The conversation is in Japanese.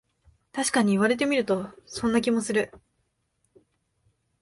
たしかに言われてみると、そんな気もする